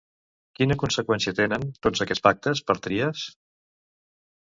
Quina conseqüència tenen, tots aquests pactes, per Trias?